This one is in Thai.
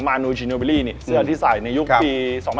มานูลชิโนเบลี่เนี่ยเสือที่ใส่ในยุคปี๒๐๐๓